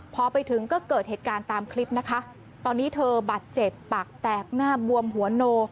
พอไปถึงก็เกิดเหตุการณ์ตามคลิปนะคะตอนนี้เธอบาดเจ็บปากแตกหน้าบวมหัวโน